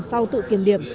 sau tự kiểm điểm